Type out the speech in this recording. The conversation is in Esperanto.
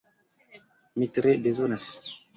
Mi tre bezonas!